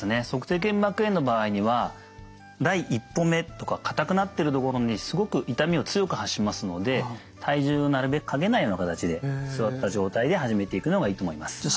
足底腱膜炎の場合には第１歩目とか硬くなってるところにすごく痛みを強く発しますので体重をなるべくかけないような形で座った状態で始めていくのがいいと思います。